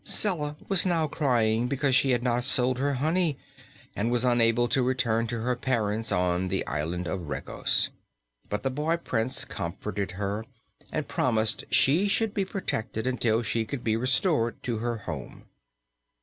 Zella was now crying because she had not sold her honey and was unable to return to her parents on the island of Regos, but the boy prince comforted her and promised she should be protected until she could be restored to her home.